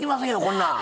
こんなん。